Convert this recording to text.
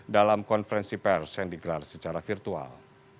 dalam konferensi pers yang digelar secara virtual